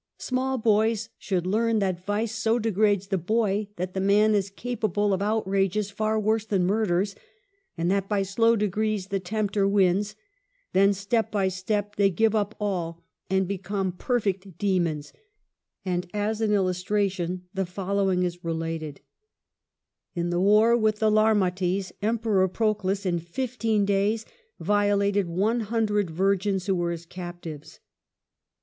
Small boys should learn that vice so de grades the boy that the man is capable of outrages far worse than murders, and that by ''slow degrees the tempter wins ; then step by step they give up all," and become perfect demons ; and as an illustra tion the following is related : In the war with the Larmates, Emperor Proclus, in fifteen days, violated one hundred virgins who ^ were his captives.